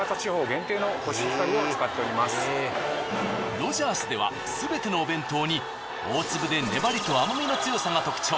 ロヂャースではすべてのお弁当に大粒で粘りと甘みの強さが特徴。